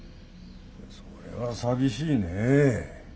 それは寂しいね。